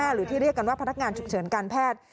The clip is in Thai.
หรือที่เรียกกันว่าพนักงานฉุกเฉินการแพทย์